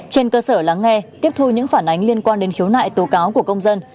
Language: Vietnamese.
trên cơ sở lắng nghe tiếp thu những phản ánh liên quan đến khiếu nại tố cáo của công dân